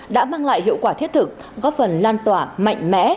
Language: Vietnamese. đã mang lại hiệu quả thiết thực góp phần lan tỏa mạnh mẽ